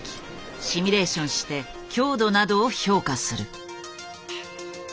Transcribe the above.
シミュレーションして強度などを評価する。